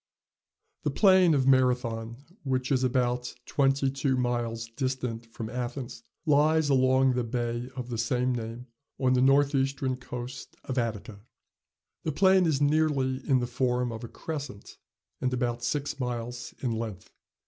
The plain of Marathon, which is about twenty two miles distant from Athens, lies along the bay of the same name on the north eastern coast of Attica. The plain is nearly in the form of a crescent, and about six miles in length.